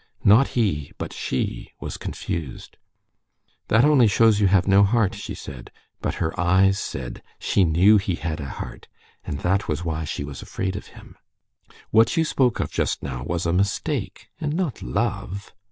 Not he, but she, was confused. "That only shows you have no heart," she said. But her eyes said that she knew he had a heart, and that was why she was afraid of him. "What you spoke of just now was a mistake, and not love."